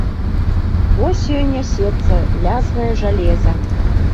Вось ён нясецца, лязгае жалеза.